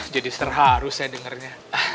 jadi terharu saya dengarnya